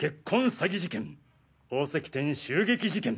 詐欺事件宝石店襲撃事件